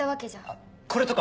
あっこれとか！